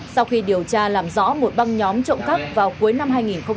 sau khi điều tra làm rõ một băng nhóm trộm cắp vào cuối năm hai nghìn hai mươi hai